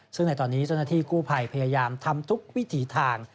ซึ่งในตอนนี้เจ้าหน้าที่กู้ภัยพยายามทำทุกวิถีทาง